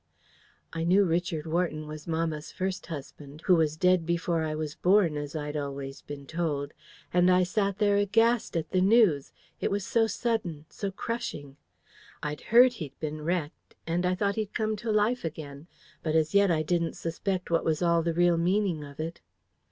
"I knew Richard Wharton was mamma's first husband, who was dead before I was born, as I'd always been told: and I sat there aghast at the news: it was so sudden, so crushing. I'd heard he'd been wrecked, and I thought he'd come to life again; but as yet I didn't suspect what was all the real meaning of it.